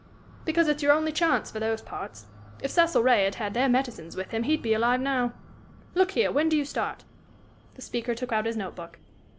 "Because it's your only chance, for those parts. If Cecil Ray had had their medicines with him he'd be alive now. Look here; when do you start?" The speaker took out his note book.